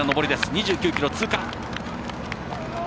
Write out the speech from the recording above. ２９ｋｍ通過。